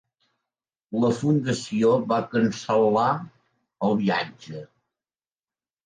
La Fundació va cancel·lar el viatge.